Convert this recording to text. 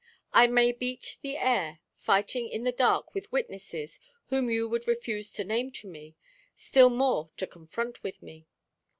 I may beat the air, fighting in the dark with witnesses whom you would refuse to name to me, still more to confront with me.